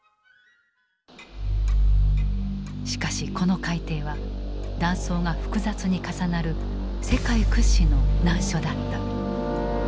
しかしこの海底は断層が複雑に重なる世界屈指の難所だった。